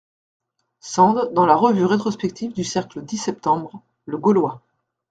Sand dans la Revue Rétrospective du cercle dix septembre., Le Gaulois.